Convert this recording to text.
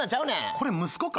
これ息子か。